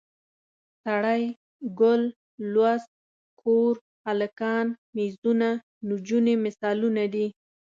سړی، ګل، لوست، کور، هلکان، میزونه، نجونې مثالونه دي.